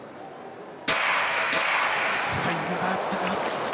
フライングがあったか。